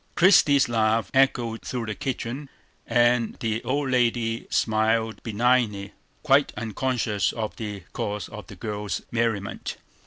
Christie's laugh echoed through the kitchen; and the old lady smiled benignly, quite unconscious of the cause of the girl's merriment.